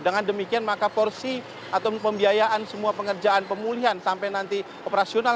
dengan demikian maka porsi atau pembiayaan semua pengerjaan pemulihan sampai nanti operasional